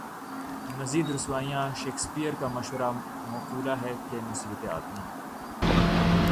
مزید رسوائیاں شیکسپیئر کا مشہور مقولہ ہے کہ مصیبتیں آتی ہیں۔